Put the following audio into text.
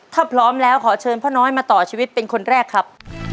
ถ้าพร้อมแล้วขอเชิญพ่อน้อยมาต่อชีวิตเป็นคนแรกครับ